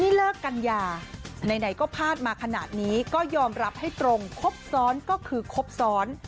เลิกกันยาไหนก็พลาดมาขนาดนี้ก็ยอมรับให้ตรงครบซ้อนก็คือครบซ้อน